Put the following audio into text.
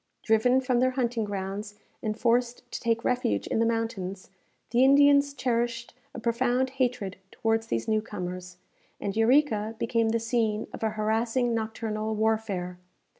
Driven from their hunting grounds, and forced to take refuge in the mountains, the Indians cherished a profound hatred towards these new comers, and Eureka became the scene of a harassing nocturnal warfare.